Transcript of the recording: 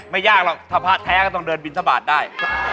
ไม่ยากหรอกถ้าพระแท้ก็ต้องเดินบินทบาทได้